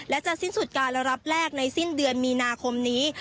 และจะสิ้นสุดการระดับแรกในสิ้นเดือนมีนาคมนี้